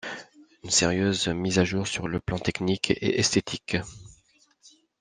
Une sérieuse mise à jour sur le plan technique et esthétique.